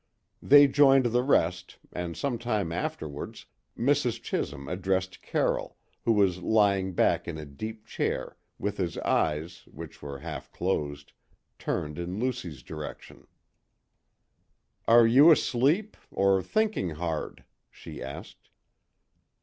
They joined the rest, and some time afterwards, Mrs. Chisholm addressed Carroll, who was lying back in a deep chair with his eyes, which were half closed, turned in Lucy's direction. "Are you asleep, or thinking hard?" she asked.